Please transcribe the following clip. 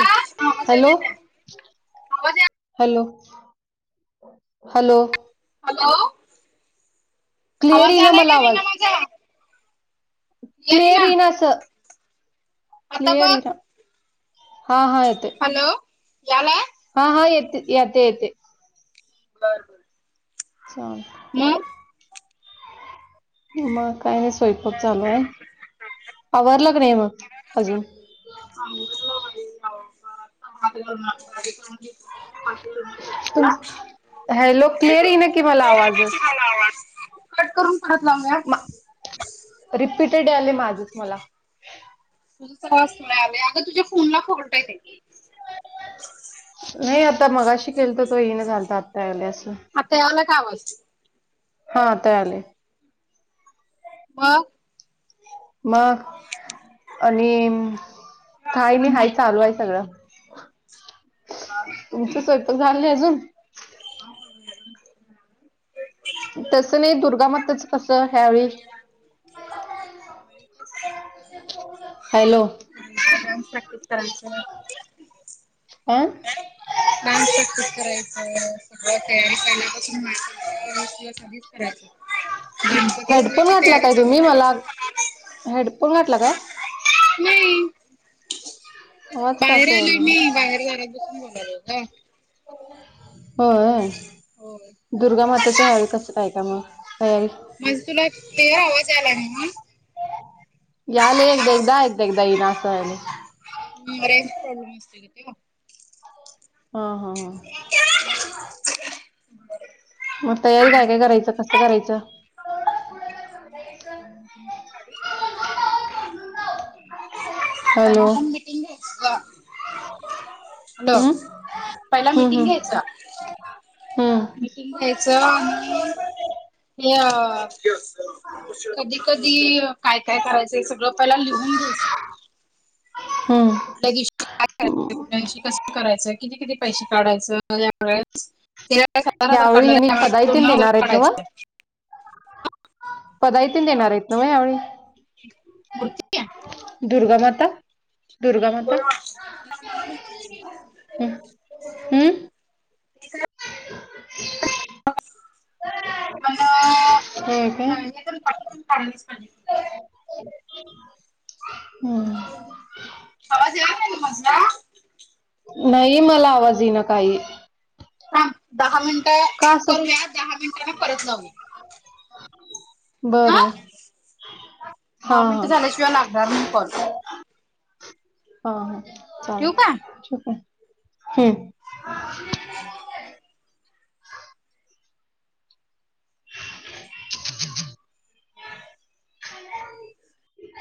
Hello [inaudible] यायलाय hello काय? आवाज या हॅलो [inaudible] हॅलो हॅलो, क्लिअर आवाज येईना आलांय मला कायं विना माझा? क्लिअर क्लियर येईना इनां असं आता क्लियर बघ इनां. हां -हां येतोय. हॅलो यालाय. हां -हां येत- यते- यते. बर- बर चाल [unintelligible] मगं? मग, काही नाही स्वयंपाक चालू आय, आवारलं की नाही मग अजून? आवरलं बाई हालमा आपल्याले कोण आहे हातभार तुम लावन हॅलो व माय [unintelligible] क्लिअर भात येईना की मला आवाजच लावलोय कूकरला [unintelligible] आवास [unintelligible] कट करून परत लावूयास. रिपीटेड यालय माझंच मला. तुझं सगळच तुला यालय, अगं तुझ्या फोनला फॉल्ट आहे ते. [unintelligible] नाही, आता मगाशी केलतो तवा इना झालत आता यालय अस. आता यालाय काय आवाज? हां आता यालय. म? म, आणि काय मी हाय चालू आहे सगळं. तुमचं स्वयंपाक झाल नाय अजून? तसं नाही, दुर्गामातचं कसं ह्यावेळी? [unintelligible] हॅलो उतरायचं [unintelligible] आ [unintelligible] [unintelligible] स्वयंपाकरायचं सगळं तयारी पहिल्यापासूंन माहित [unintelligible] ह्यांत [unintelligible] गणपती हेडफोन होण्यांची घातला तयारी काय चालूं तुम्ही करायच. मला हेडफोन घातला काय? नाही. [inaudible] आवाज का बाहेर असा आलोय यायला मी. बाहेर जाणारं बसून बोललोय ग. होय. होय. दुर्गामाताच ह्यावेळी कसं आहे काय कां मगं? माझा तुला क्लिअर आवाज आलाय नव्ह. यायलय. एकदा एकदा एकदा एकदा येईना असं व्हायलय. रेंज प्रॉब्लेम असते कनी मगं हा हा हा. [unintelligible] मग तयारी काय काय करायचं कसं करायचं? ह [inaudible] हॅलो [unintelligible] हॅलो, हम्म पहिला हम्म मिटिंग घ्यायचं. हम्म मीटिंग घ्यायचं हम्म आणि ते अ. कधी कधी कायं कायं करायचं हे सगळं पहिला लिहून घ्यायचं. हम्म कुठल्यां दिवशी कायं करायचं? कुठल्यां दिवशी कसं करायचं? किती किती पैसे काढायचं? ह्यावेळी गेल्या वेळेस सत्तर हजार ह्यावेळी काढलं ह्यांनी होत. ह्यावेळी पदाई दोन तीन दोन हजार देणार आहेत ना व काढायचं. पदायतीन देणारं आहेंत नव्ह यांवेळी मूर्ती दुर्गा माता दुर्गा माता माहिती नाही ग ह हम्म. [unintelligible] मण होय काय हे तर बाकीच काढायला पाहिजे. हम्म आवाज यायला तुम्हासना नाही मला आवाज येइनां काही, थांब दहा मिनिटं का कट असं करूया. दहा मिनिटांना परत लावूया. हा. बरं हा दहा मिनट हा झाल्याशिवाय लागणार नाही कॉल. हा हा ठेवू चालते मग का? हम्, ठीक आहे.